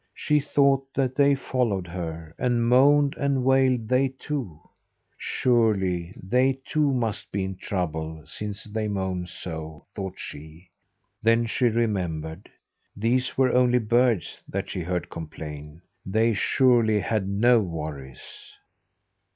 She thought that they followed her, and moaned and wailed they too. "Surely, they, too, must be in trouble, since they moan so," thought she. Then she remembered: these were only birds that she heard complain. They surely had no worries.